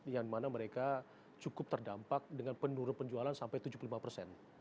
yang mana mereka cukup terdampak dengan penurunan penjualan sampai tujuh puluh lima persen